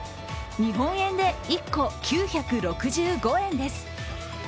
日本円で１個９６５円です。